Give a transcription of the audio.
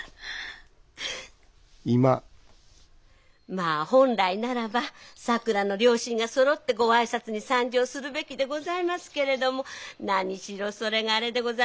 まあ本来ならばさくらの両親がそろってご挨拶に参上するべきでございますけれども何しろそれがあれでございます